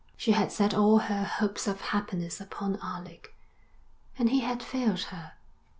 She had set all her hopes of happiness upon Alec, and he had failed her.